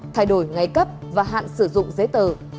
thay đổi ngày cấp và hạn sử dụng giấy tờ